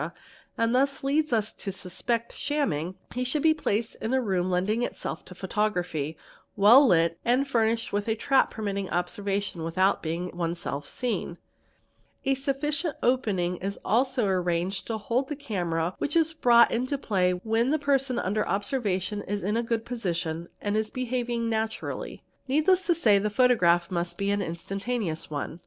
and thus leads us to suspect — shamming, he should be placed in a room lending itself to photography, — well lit and furnished with a trap permitting observation without being oneself seen; a sufficient opening is also arranged to hold the camera which — is brought into play when the person under observation is in a good — position and is behaving naturally ; needless to say the photograph must be an instantaneous one.